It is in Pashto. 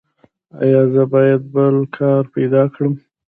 ایا زه باید بل کار پیدا کړم؟